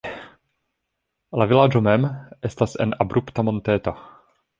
La vilaĝo mem estas en abrupta monteto.